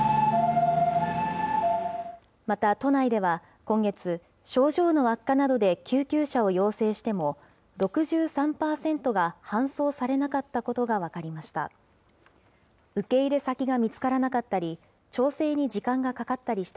また都内では今月、症状の悪化などで救急車を要請しても、６３％が搬送されなかったことが分かりました。